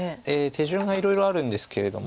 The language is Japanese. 手順がいろいろあるんですけれども。